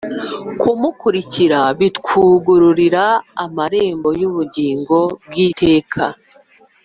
nkumukurikira bitwugururira amarembo y’ubugingo bw’iteka.